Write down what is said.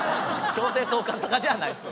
強制送還とかじゃないです。